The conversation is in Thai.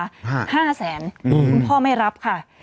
ห้าห้าแสนคุณพ่อไม่รับค่ะ